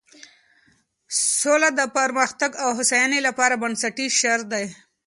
سوله د پرمختګ او هوساینې لپاره بنسټیز شرط دی.